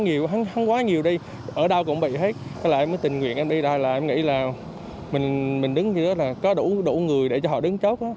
em nghĩ là mình đứng giữa là có đủ người để cho họ đứng chốt